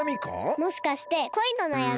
もしかしてこいのなやみ？